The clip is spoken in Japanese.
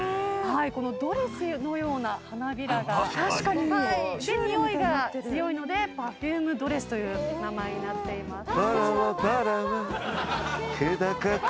このドレスのような花びらがでにおいが強いのでパフュームドレスという名前になっています。